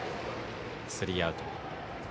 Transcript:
スリーアウト。